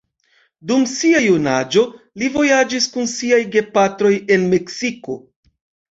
Dum sia junaĝo li vojaĝis kun siaj gepatroj en Meksiko.